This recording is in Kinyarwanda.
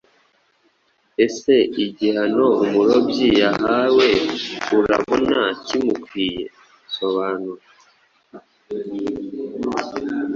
Ese igihano umurobyi yahawe urabona kimukwiye? Sobanura